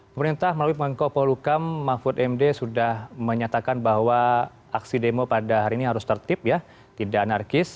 pemerintah melalui pengkolukam mahfud md sudah menyatakan bahwa aksi demo pada hari ini harus tertib ya tidak anarkis